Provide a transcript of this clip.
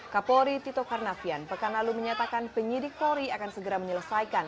kapolri tito karnavian pekan lalu menyatakan penyidik polri akan segera menyelesaikan